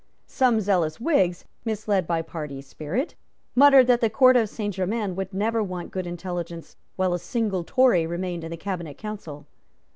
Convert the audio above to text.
Some zealous Whigs, misled by party sprit, muttered that the Court of Saint Germains would never want good intelligence while a single Tory remained in the Cabinet Council.